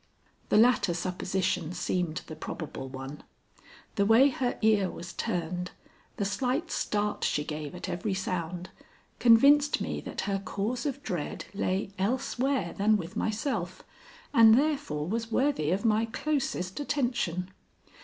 The latter supposition seemed the probable one. The way her ear was turned, the slight start she gave at every sound, convinced me that her cause of dread lay elsewhere than with myself, and therefore was worthy of my closest attention.